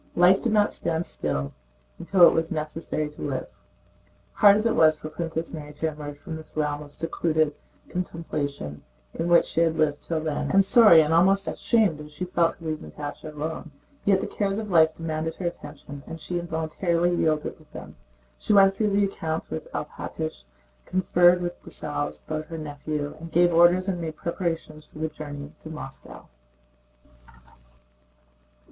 Life did not stand still and it was necessary to live. Hard as it was for Princess Mary to emerge from the realm of secluded contemplation in which she had lived till then, and sorry and almost ashamed as she felt to leave Natásha alone, yet the cares of life demanded her attention and she involuntarily yielded to them. She went through the accounts with Alpátych, conferred with Dessalles about her nephew, and gave orders and made preparations for the journey to Moscow.